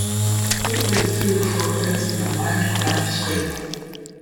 It lays three or four eggs in a lined ground scrape.